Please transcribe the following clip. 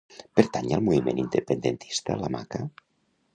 Pertany al moviment independentista la Maca?